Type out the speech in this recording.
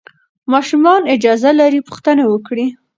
ماشومان اجازه لري پوښتنه وکړي.